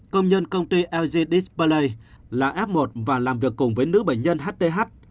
công nhân công ty lg display là f một và làm việc cùng với nữ bệnh nhân hth